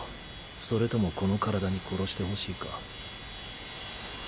それともこの体に殺してほしいか？